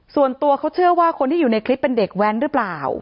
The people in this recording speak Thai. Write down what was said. ส่วนตัวเขาเชื่อว่าคนที่อยู่ในคลิปเป็นเด็กแว้นหรือเปล่า